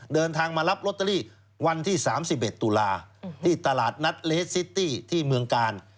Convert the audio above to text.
เดินทางมารับลอตเตอรี่วันที่๓๑ตุลาที่ตลาดนัดเลสซิตี้ที่เมืองกาล